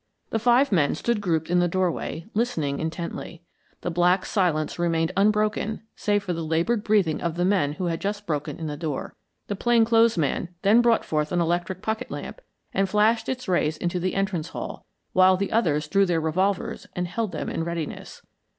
The five men stood grouped in the doorway, listening intently. The black silence remained unbroken save for the labored breathing of the men who had just broken in the door. The plain clothes man then brought forth an electric pocket lamp and flashed its rays into the entrance hall, while the others drew their revolvers and held them in readiness.